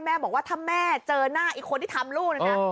บอกว่าถ้าแม่เจอหน้าอีกคนที่ทำลูกนะนะ